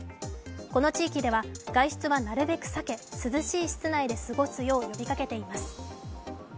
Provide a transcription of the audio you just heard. この地域では外出はなるべく避け涼しい室内で過ごすよう呼びかけています。